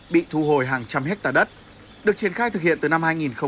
bị thu hồi hàng trăm hectare đất được triển khai thực hiện từ năm hai nghìn hai mươi một